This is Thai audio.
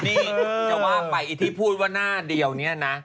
นี่จะว่าไปไอ้ที่พูดว่าหน้าเดียวเนี่ยนะ